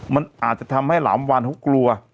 มันอาจจะทำให้หลามวันเขากลัว